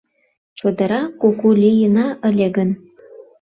Чодыра куку лийына ыле гын